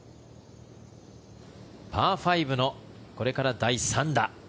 パー５のこれから第３打。